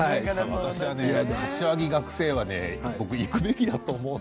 私はね、柏木学生は行くべきだと思う。